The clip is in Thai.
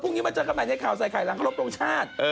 พรุ่งนี้มาเจอกันใหม่ในคราวไซค์ไข่รังครบโลกชาติ